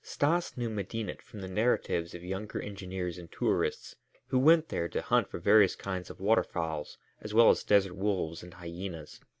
Stas knew Medinet from the narratives of younger engineers and tourists who went there to hunt for various kinds of water fowls as well as desert wolves and hyenas.